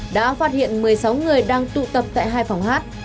đã phát hiện một mươi sáu người đang tụ tập tại hai phòng hát